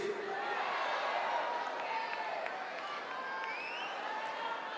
kita harus terus membangun indonesia yang kompetitif